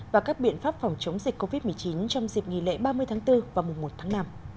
và các biện pháp phòng chống dịch covid một mươi chín trong dịp nghỉ lễ ba mươi tháng bốn và mùa một tháng năm